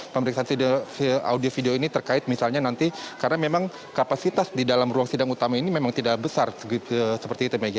pemeriksaan audio video ini terkait misalnya nanti karena memang kapasitas di dalam ruang sidang utama ini memang tidak besar seperti itu megi